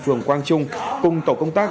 phường quang trung cùng tổ công tác